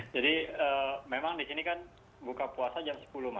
jadi memang di sini kan buka puasa jam sepuluh malam